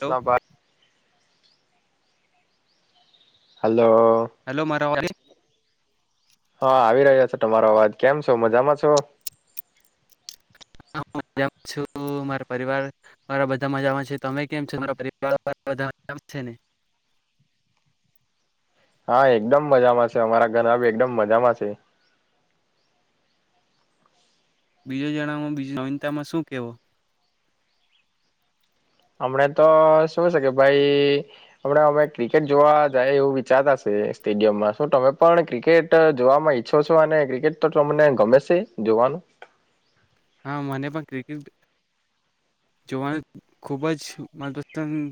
Hello નાબાદ હલ્ hello મારા વા હા આવી રહ્યા છો તમારો અવાજ કેમ છો મજામાં છો હું મા છું મારા પરિવાર વાળા બધા મજામાં છે તમે કેમ છો મારા પરિવાર વાળા બા મા છે ને હા એકદમ મજામાં છે અમારા ઘર બી એકદમ મજામાં છે બીજો જણાવ બીજતા માં શું કેવો અમણે તો શુંશે કે ભાઈ આપણા અમે ક્રિકેટ જોવા જાય એવું વિચારતા છે સ્ટેડિયમમાં શ તમે પણ ક્રિકેટ જોવાવામાં ઈચ્છો છો અને ક્રિકેટ તો તમને ગમે છે જોવાનું હા મને પણ ક્રિકેટ જોવાનું ખુબ જ મનપસંદ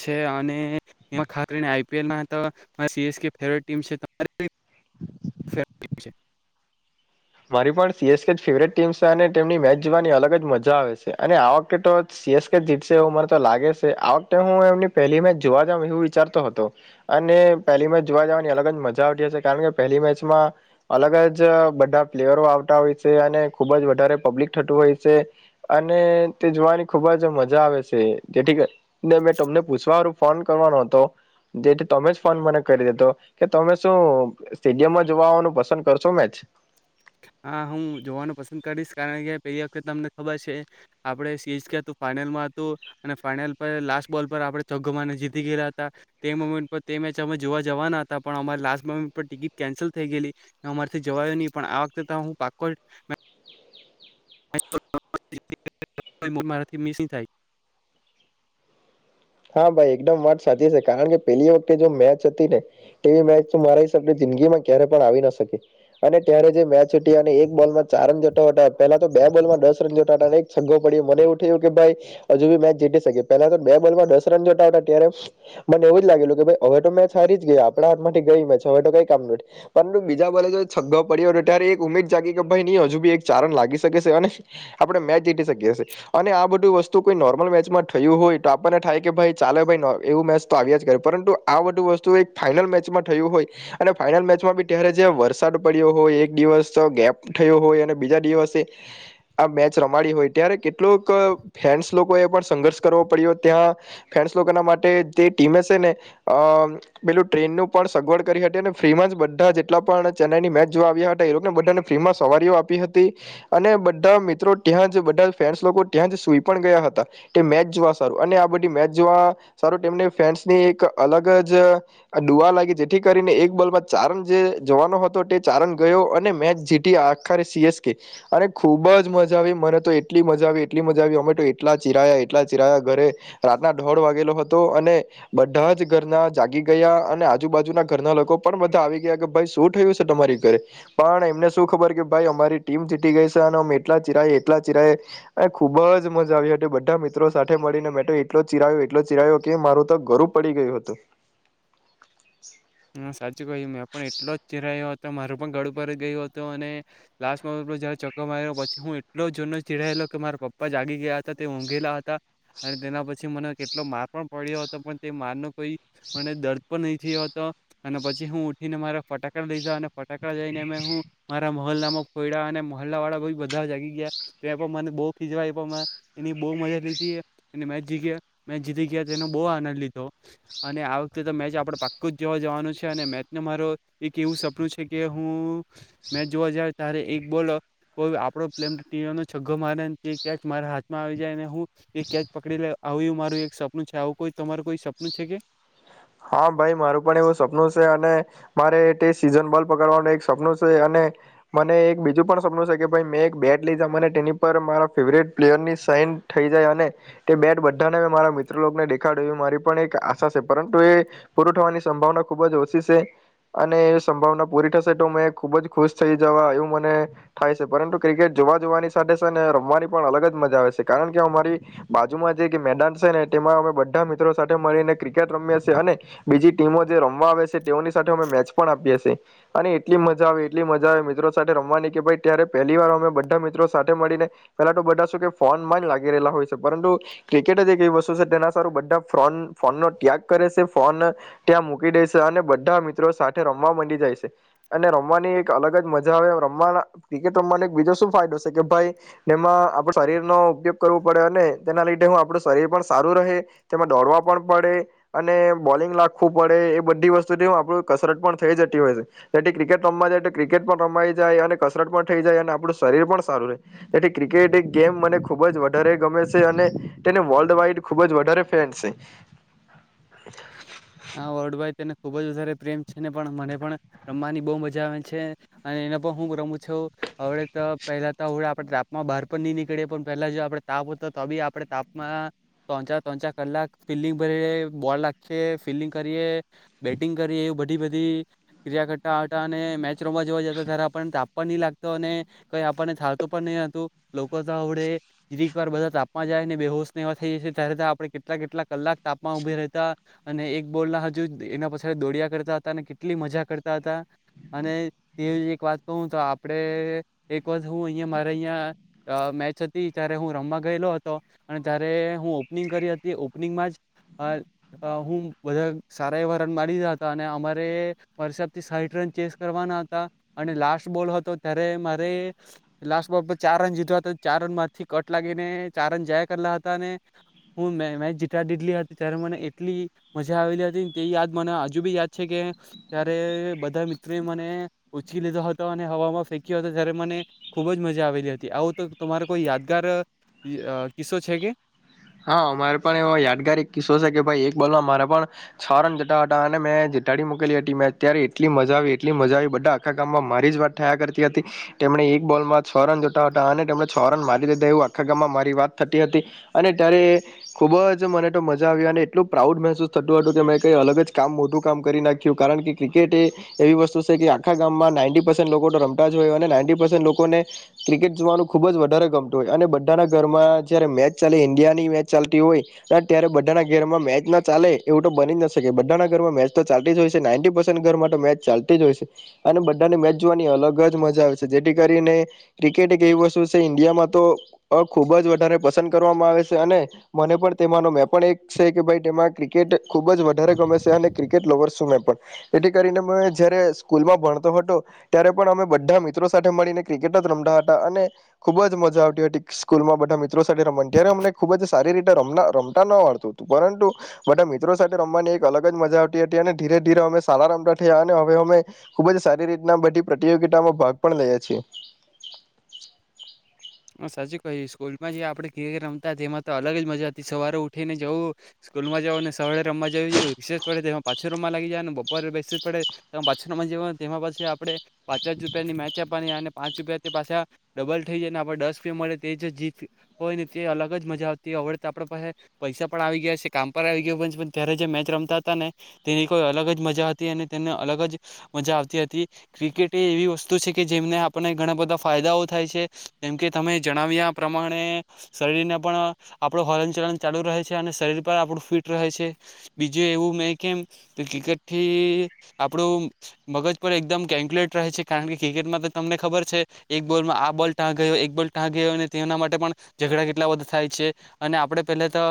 છે અને ખાસ કરીને આઈપીએલ મારી પણ સીએસકે ફેવરેટ ટીમ છે અને તેમની મેચ જોવાની અલગ જ મજા આવે છે અને આ વખતે તો સીએસકે જીતશે એવું મને તો લાગે છે આ વખતે હું એમની પહેલી મેચ જોવા જાઉં એવું વિચારતો હતો અને પહેલી મેચ જોવા જવાની અલગ જ મજા આવતી હશે કારણ કે પહેલી મેચમાં અલગ જ બધા પ્લેયરો આવતા હોય છે અને ખુબ જ વધારે પબ્લિક થતું હોય છે અને તે જોવાની ખુબ જ મજા આવે છે જેથીને મે તમને પૂછવા ફોન કરવાનો હતો જેથી તમે જ ફોન મને કરી દેધો કે તમે શું સ્ટેડિયમમાં જોવાવાનું પસંદ કરશો મેચ હા હું જોવાનું પસંદ કરીશ કારણ કે પેલી વખત તમને ખબર છે આપણે સીરીઝ ક હતું ફાાઈનલમાં હતું અને ફાાઈનલ પર લાસ્ટ બોલ પર આપણે ચગ્ગમાને જીતી ગયેલા હતા તે મુમેન્ટ પર તે મેચ અમે જોવા જવાના હતા પણ અમારે લાસ્ટ મોમેન્ટ પર ટિકિટ કેન્સલ થઈ ગયલી અમારેથી જવાયો નહીિ પણ આ તા હું પાકોડ મારાથી મિસ થાય હા ભાઈ એકદમ વાત સાચી છે કારણ કે પેલી વખતે જો મેચ હતી ને તેવી મેચ તો મારા હિસાબની જિંદગીમાં ક્યારે પણ આવી ના શકે અને ત્યારે જે મેચ અને એક બોલમાં ચાર રન જટાટા પેલા તો બે બોલમાં દસ રન જોટાટા એક સઘો પડ્યો મને એવું થયું કે ભાઈ હજુ ભ મેચ જીતી શકે પેલા તો બે બોલ માંસ મને એવું જ લાગેલું કે હવે તો મેચ હારી જ ગયા આપણા હાથ માંથી ગઈ મે હવે કઈ કામ ન પરંતુ બીજા બોલે છગ્ગાવ પડ્યો ત્યારે ઉમેદ જાગી કે ભાઈ ન હજુ બી એક ચાર રન લાગી શકે છે અને આપણે મેચ જીતી શકીએીએ અને આ બધું વસ્તુ કોઈ નોર્મલ મેચમાં થયું હોય તો આપણને થાય કે ભાઈ ચાલે ભાઈ એવું મેચ તો આવ્યા જ કરે પરંતુ આ બધું વસ્તુ એક ફાાઈનલ મેચમાં થયું હોય અને ફાઈનલ મેચમાં બી ત્યારે જ વરસાદ પડ્યો હોય એક દિવસ ગેપ થયો હોય અને બીજા દિવસે આ મેચ રમાડી હોય ત્યારે કેટલોક ફેન્સ લોકો એ પણ સંઘર્ષ કરવો પડ્યો ત્યાં ફેન્સ લોકોના માટે જે ટીમે છે ને અ પેલું ટ્રેનનું પણ સગવડ કરી હતી અને ફ્રીમાં જ બધા જેટલા પણ ચેન્નાઈની મેચ જોવા આવ્યા હતા એ લોકોને બધાને ફ્રીમાં સવારીઓ આપી હતી અને બધા મિત્રો ત્યાં જ બધા ફેન્સ લોકો ત્યાં જ સુઈ પણ ગયા હતા તે મેચ જોવા સારું અને આ બધી મેચ જોવા સાર તેમને ફેન્સ ની એક અલગ જ ડુઆ લાગી જેથી કરીને એક બોલમાં ચારણ જે જવાનો હતો તે ચારણ ગયો અને મેચ જીતી આખરે સીએસ કે અને ખુબ જ મજા આવી મને તો એટલી મજા આવી એટલી મજા આવી અમે તો એટલા ચિરાયા એટલા ચિરાયા ઘરે ોળ વાગેલો હતો અને બધા જ ઘરના જાગી ગયા અને આજુબાજુના ઘરના લોકો પણ બધા આવી ગયા કે ભાઈ શું થયું છે તમારી ઘરે પણ એમને શું ખબર કે ભાઈ અમારી ટીમ જીતી ગઈ છે અને અ એટલા ચિરાય એટલા ચિરાય અને ખુબ જ મજા આવી હતી બધા મિત્રો સાથે મળીને મે એટલો ચિરા્યો એટલો ચિરા્યો કે મારું તો ઘરું પડી ગયું હતું હા સાચું કહ્યું મેં પણ એટલો જ ચેરા્યો હતો મારો પણ ગળ ઉપ જ ગયો હતો અને લાસ્ટમાં જ મા પછી હું એટલો જૂનો ચિડાયેલો કે મારા પપ્પા જાગી ગયા હતા તે ઊંઘેલા હતા અને તેના પછી મને કેટલો માર પણ પડ્યો હતો પણ તે મારનો કોઈ મને દર્દ પણ નહીં થયો હતો. અને પછી હું ઉઠીને મારા ફટાકડા લીધા અને ફટાકડા જઈને મે હું મારા મોહલ્લામાં ફ્યા અને મોહલ્લા વાળા બ બધા જાગી ગયા એ પણ મને બહ ખીજવા એની બહુ મજા લીધી મેચ જીત મેચ જીતી ગયા એનો બહુ આનંદ લીધો અને આ વખતે તો મેચ આપડે પાકુજ જોવા જવાનું છે અને મેચને મારો એક એવું સપનું છે કે હું મેચ જોવા જ ત્યારે એક બોલ કો આપડો પ્લે છગ્ગો મારે તેચ મારા હાથમાં આવી જાય અને હું એ કેચ પકડી લે આવું એવું મારું એક સપનું છે આવું કોઈ તમારું કોઈ સપનું છે કે? હા, ભાઈ મારું પણ એવું સપનું છે અને મારે તે સીઝન બોલ પકડવાનું એક સપનું છે અને મને એક બીજું પણ સપનું છે કે ભાઈ મેં એક બેટ લઈ જ મને તેની પર મારા ફેવરેટ પ્લેયર ની સાઇન થઈ જાય અને તે બેટ બધાને મેં મારા મિત્રલોને દેખાડ્યું એવી મારી પણ એક આશા છે પરં તું એ પૂરી થવાની સંભાવના ખુબ જ ઓછી છે અને એ સંભાવના પૂરી થશે તો મે ખુબ જ ખુશ થઈ જવા એવું મને થાય છે પરંતુ ક્રિકેટ જોવા જોવાની સાથે છે ને રમવાની પણ અલગ જ મજા આવે છે કારણ કે અમારી બાજુમાં જે મેદાન છે ને તેમાં અમે બધા મિત્રો સાથે મળીને ક્રિકેટ રમ્યા છે અને બીજી ટીમો જે રમવા આવે છે તેઓની સાથે અમે મેચ પણ આપીઆ એ અને એટલી મજા આવે એટલી મજા આવે મિત્રો સાથે રમવાની કે ભાઈ ત્યારે પહેલી વાર અમે બધા મિત્રો સાથે મળીને પેલા તો બધા શ કે ફોન માં જ લાગી રહેલા હોય છે પરંતુ ક્રિકેટ જે કવી વસ્તુ છે તેના સારું બધા ફ્રોન ફોન નો ત્યાગ કરે છે ફોન ત્યાં મૂકી દેશે અને બધા મિત્રો સાથે રમવા માંડી જાય છે અને રમવાની એક અલગ જ મજા આવે રમવાના ક્રિકેટ રમવાનો એક બીજો શું ફાયદો છે કે ભાઈ એમાં આપડે શરીર નો ઉપયોગ કરવો પડે અને તેના લીધે હું આપડું શરીર પણ સારું રહે તેમાં દોડવા પણ પડે અને બોલિંગ લખવું પડે એ બધી વસ્તુથી હું આપણું કસરત પણ થઈ જતી હોય છે જેથી ક્રિકેટ રમવા જાય ક્રિકેટ પણ રમાઈ જાય અને કસરત પણ થઈ જાય અને આપણું શરીર પણ સારું રહે જેથી ક્રિકેટ એક ગેમ મને ખુબ જ વધારે ગમે છે અને તેને વર્લ્ડ વાઈડ ખુબ જ વધારે ફેન છે. હા, વર્લ્ડ વાઇડ તેને ખૂબ જ વધારે પ્રેમ છે ને પણ મને પણ રમવાની બહુ મજા આવે છે અને એને પણ હું રમું છું હવેળ તો પહેલાં તો હળ આપણે તાપમાં બહાર પણ નહીં નીકળીએ પણ પહેલાં જો આપણે તાપ હો હતો તો બી આપણે તાપમાં તચા ત્રચા કલાક ફિલ્ડિંગ ભરી બોલ લખ છે ફીલિંગ કરીએ બેટિંગ કરીએ એવું બધ એટલી બધી ક્રિયા કરતા હતા અને મેચ માં જોવા જતા ત્યારે પણ તાપ પણ નહી લાગતો અને કઈ આપણને જાલતું પણ નહી હતું લોકો તો આવડેીક વાર બધા તાપમાં જાયને બેહોશને એવા થઈ જશે ત્યારે આપણે કેટલા કેટલા કલાક તાપમાં ઉભી રહેતા અને એક બોલના હજુ એના પાછળ દોડયા કરતા હતા અને કેટલી મજા કરતા હતા અને તે એક વાત કહું તો આપણે એક વર હું અહીંયા મારે અહીંયા મેચ હતી ત્યારે હું રમવા ગયેલો હતો અને ત્યારે હું ઓપનિંગ કરી હતી ઓપનિંગમાં જ અહ અહ હું બધા સારા એવા રન મારી દીધા હતા અને અમારે માસાબથી સાહીઠ રન ચેસ કરવાના હતા અને લાસ્ટ બોલ હતો ત્યારે મારે લાસ્ટ બોલ પર ચાર રન જીત્યો હતા ચાર રનમાંથી કટ લાગીને ચાર રન જાયા કરેલા હતા અને હું મેચ જીતા દીધલી હતી ત્યારે મને કેટલી મજા આવેલી હતી ને તે યાદ મને હજુ બી યાદ છે કે ત્યારે બધા મિત્રોએ મને ઉછકી લીધો હતો અને હવામાં ફેંક્યો હતો ત્યારે મને ખુબ જ મજા આવેલી હતી આવો તો તમારો કોઈ યાદગાર અહ કિસ્સો છે કે? હા, મારે પણ એવો યાદગાર કિસ્સો છે કે ભાઈ એક બોલમાં મારા પણ છ રન જતા હતા અને મેં જીતાડી મૂકેલી હતી મેં અત્યારે એટલી મજા આવી એટલી મજા આવી બધા આખા ગામમાં મારી જ વાત થયા કરતી હતી તેમણે એક બોલમાં છ રન જોતા હતા અને તેમણે છ રન મારી લીધા એવું આખા ગામમાં મારી વાત થતી હતી. અને ત્યારે ખૂબ જ મને તો મજા આવી અને એટલું પ્રાઉડ મહેસૂસ થતું હતું કે મેં કંઈ અલગ જ કામ મોટું કામ કરી નાખ્યું કારણ કે એ ક્રિકેટ એવી વસ્તુ છે કે આખા ગામમાં નાઇન્ટી પર્સેન્ટ લોકો તો રમતા જ હોય અને નાઇન્ટી પર્સેન્ટ લોકોને ક્રિકેટ જોવાનું ખૂબ જ વધારે ગમતું હોય અને બધાના ઘરમાં જ્યારે મેચ ચાલે ઇન્ડિયાની મેચ ચાલતી હોય ત્યારે બધાના ઘરમાં મેચ ના ચાલે એવું તો બની જ ન શકે બધાના ઘરમાં મેચ તો ચાલતી જ હોય છે નાઇન્ટી પર્સેન્ટ ઘરમાં તો મેચ ચાલતી જ હોય છે અને બધાની મેચ જોવાની અલગ જ મજા આવે છે જેથી કરીને ક્રિકેટ એક એવી વસ્તુ છે ઇન્ડિયામાં તો અ ખૂબ જ વધારે પસંદ કરવામાં આવે શે અને મને પણ તેમાંનો મેં પણ એક શે કે ભાઈ તેમાં ક્રિકેટ ખુબ જ વધારે ગમે શે અને ક્રિકેટ લવર્ શું મે પણ એથી કરીને અ જયારે સ્કૂલમાં ભણતો હતો ત્યારે પણ અમે બધા મિત્રો સાથે મળીને ક્રિકેટ જ રમતા હતા અને ખુબ જ મજા આવતી હતી સ્કૂલમાં બધા મિ મિત્રો સાથે રમવા ત્યારે અમને ખૂબ જ સારી રીતે ર રમતા ન આવડતું હતું પરંતુ બધા મિત્રો સાથે રમવાની એક અલગ જ મજા આવતી હતી અને ધીરે ધીરે અમે સારા રમતા થયા અને હવે અમે ખૂબ જ સારી રીતના બધી પ્રતિયોગિતામાં ભાગ પણ લઈએ છીએ. હ સાચી ક છે સ્કૂલમાં જે આપણે ક રમતા તેમાં તો અલગ જ મજા હતી સવારે ઉઠીને જવું સ્કૂલમાં જઓ ને સવારે રમવા જવું રસે પડે તેમાં પાછળ રમમાં લાગી જાયને બપોરે બેસ જ પડે પાછમમાં જઓને તેમાં પછી આપણે પાંચ જ રૂપિયાની મેચ આપવાની અને પાંચ રૂપિયા તે પાછા ડબલ થઈ જાયને દસ પી મળે તે જે જીત હોય ને તે અલગ જ મજા આવતી હડતા આપણા પાસે પૈસા પણ આવી ગયા છે કામ પર આવી ગયા છે પણ ત્યારે જે મેચ રમતા હતા ને તેની કોઈ અલગ જ મજા હતી અને તેને અલગ જ મજા આવતી હતી ક્રિકેટ એ એવી વસ્તુ છે કે જેમને આપણને ઘણા બધા ફાયદાઓ થાય છે. કેમ કે તમે જણાવ્યા પ્રમાણે શરીરને પણ આપણું હોલન ચલન ચાલુ રહે છે અને શરીર પણ આપણું ફિટ રહે છે બીજું એવું મેં કેમ કે ક્રિકેટથી આપણું મગજ પર એકદમ કેલ્ક્યુલેટ રહે છે કારણ કે ક્રિકેટમાં તો તમને ખબર છે એક બોલમાં આ બોલ ટાં ગયો એક બોલ ટાંકી ગયો અને તેના માટે પણ ઝઘડા કેટલા બધા થાય છે અને આપડણે પહેલા તો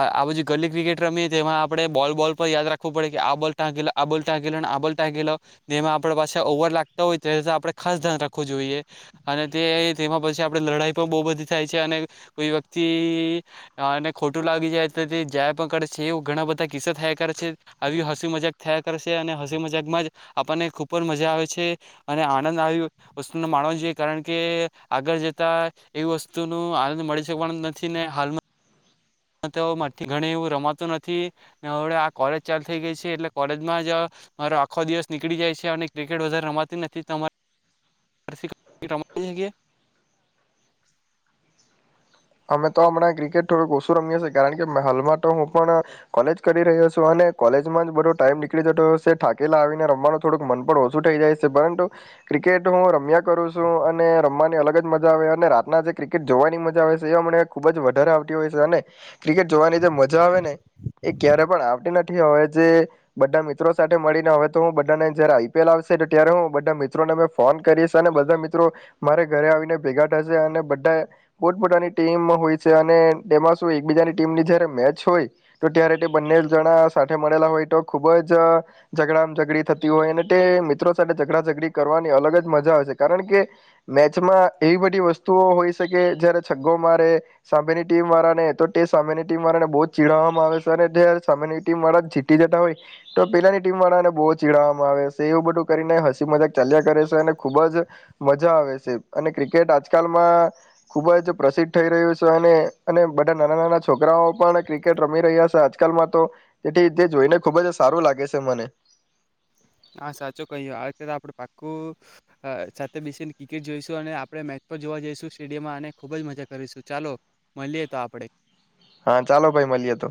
આ બધી ગલ્લી ક્રિકેટ રમીએ તેમાં આપણે બોલ બોલ પર યાદ રાખવું પડે કે આ બોલ ટાંકીલો આ બોલ ટાંકીલો અને આ બોલ ટાંકી લો તેમાં આપણે પાસે ઓવર લાગતા હોય તે તો આપણે ખાસ ધ્યાન રાખવું જોઈએ. અને તે તેમાં પછી આપણે લડાઈ પણ બહુ બધી થાય છે અને કોઈ વ્યક્તિને ખોટું લાગી જાય તો તે જયા પણ કરે છે એવ ઘણા બધા કિસ્સા થયા કરે છે આવી હસી મજાક થયા કરે છે અને હસી મજાકમાં જ આપણને ખૂબ જ મજા આવે છે અને આનંદ આવ વસ્ત માણવો જે કારણ કે આગળ જતા એવી વસ્તુનો આનંદ મળી શકવાનો નથી ને હાલમાં તોથી ઘણી એવું રમાતું નથી અને હળવે આ કોલેજ ચાલુ થઈ ગઈ છે એટલે કોલેજમાં જ મારો આખો દિવસ નીકળી જાય છે અને ક્રિકેટ વધારે રમાતી નથી તમા રી થી ક્રિકેટ રમાતી છે કે અમે તો હમણાં ક્રિકેટ થોડુંક ઓશુ રમીએ શે કારણ કે હાલમાં તો હું પણ કોલેજ કરી રહ્યો શુ અને કોલેજમાં જ બધો ટાઈમ નીકળી જતો શે ઠાકેલા આવીને રમવાનું થોડુંક મન પણ ઓછું થઇ જાય શુ પરંતુ ક્રિકેટ હું રમ્યા કરું શુ અને રમવાની અલગ જ મજા આવે અને રાતના જે ક્રિકેટ જોવાની મજા આવે એ અને ખુબ જ વધારે આવતી હોય છે અને ક્રિકેટ જોવાની જે મજા આવે ને એ ક્યારે પણ આવતી નથી હવે જે બધા મિત્રો સાથે મળીને હવે તો હું બધાને જયારે આઈપીએલ આવશે ત્યારે હું બધા મિત્રોને ફોન કરીશ અને બધા મિત્રો મારે ઘરે આવીને ભેગા થ હશે અને બધા પોતપતાની ટીમ હોય છે અને તેમાં શું એકબીજાની ટીમની જયારે મેચ હોય તો ત્યારે તે બંને જણા સાથે મળેલા હોય તો ખુબ જ ઝઘડા ઝઘડી થતી હોય અને તે મિત્રો સાથે ઝઘડા ઝઘડી કરવાની અલગ જ મજા આવે છે કારણ કે મેચમાં એવી બધી વસ્તુઓ હોય શેકે જયારે ો મારે સામેની ટીમ વાળાને તો તે સામેની ટીમ વાળાને બહુ જ ચીડાવવામાં આવે છે અને જે સામેની ટીમ વાળા જીતી જતા હોય તો પેલાની ટીમ વાળાને બહુ ચીડાવવામાં આવે છે એવું બધું કરીને હસી મજાક ચાલ્યા કરે છે અને ખૂબ જ મજા આવે છે અને ક્રિકેટ આજકાલમાં ખૂબ જ પ્રસિદ્ધ થઈ રહ્યું છે અને બધા નાના નાના છોકરાઓ પણ ક્રિકેટ રમી રહ્યા છે આજકાલમાં તો તેથી તે જોઈને ખૂબ જ સારું લાગે શે મને હા સાચો કહી અત્યારે આપડ પાકું સાથે બેસીને ક્રિકેટ જોઈશું અને આપણે મેચ પર જોવા જઈશું સ્ટેડિયમમાં અને ખુબ જ મજા કરીશું ચાલો મળીએ તો આપડણે હા ચાલો ભાઈ મળીએ તો.